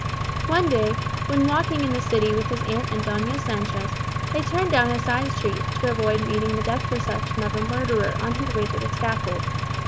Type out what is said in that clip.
One day, when walking in the city with his aunt and Doña Sancha, they turned down a side street to avoid meeting the death procession of a murderer on his way to the scaffold.